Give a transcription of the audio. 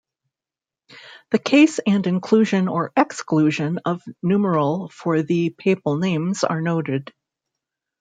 The case and inclusion or exclusion of numeral for the papal names are noted.